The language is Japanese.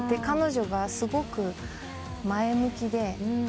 彼女がすごく前向きで。